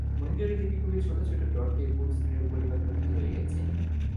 মনিটরে দেখি খুবই ছোট ছোট ডট দিয়ে পুরো স্ক্রিনের উপরিভাগ ভর্তি হয়ে গেছে।